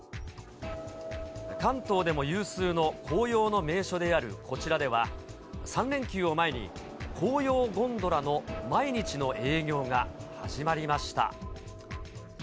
関東でも有数の紅葉の名所であるこちらでは、３連休を前に、紅葉ゴンドラの毎日の営業が始まりました。